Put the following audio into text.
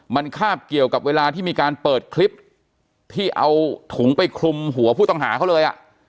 มันคาบเกี่ยวกับเวลาที่มีการเปิดคลิปที่เอาถุงไปคลุมหัวผู้ต้องหาเขาเลย